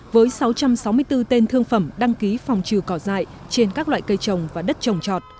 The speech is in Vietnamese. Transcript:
với sáu trăm sáu mươi bốn tên thương phẩm đăng ký phòng trừ cỏ dại trên các loại cây trồng và đất trồng trọt